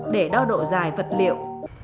để đo độ dài vật liệu